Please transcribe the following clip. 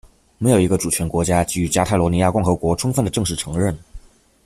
没有一个主权国家给予加泰罗尼亚共和国充分的正式承认。